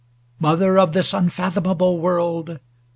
Mother of this unfathomable world!